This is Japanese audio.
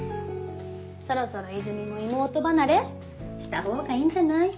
そろそろイズミも妹離れしたほうがいいんじゃない？